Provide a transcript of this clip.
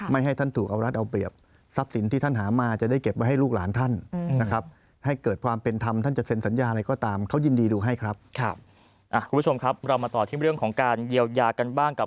ไม่ให้ท่านถูกเอารัดเอาเปรียบ